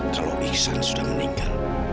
kalau iksan sudah meninggal